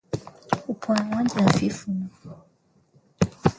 Upumuaji hafifu na usio na mpangilio